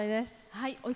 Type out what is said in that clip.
はい。